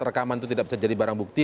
rekaman itu tidak bisa jadi barang bukti